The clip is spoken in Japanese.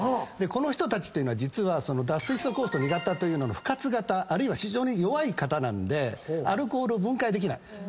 この人たちっていうのは実は脱水素酵素２型というのが不活型あるいは非常に弱い方なんでアルコールを分解できない。